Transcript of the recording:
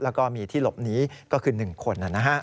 แล้วก็มีที่หลบหนีก็คือ๑คน